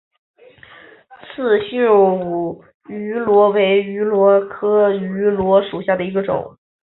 刺绣芋螺为芋螺科芋螺属下的一个种。